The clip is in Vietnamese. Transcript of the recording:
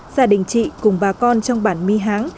gia đình chị cùng bà con trong bản my háng